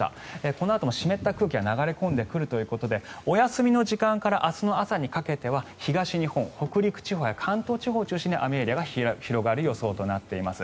このあとも湿った空気が流れ込んでくるということでお休みの時間から明日の朝にかけては東日本、北陸や関東地方を中心に雨が広がる予想となっています。